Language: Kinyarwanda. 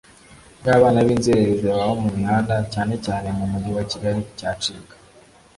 bw abana b inzererezi baba mu mihanda cyane cyane mu mujyi wa kigali cyacika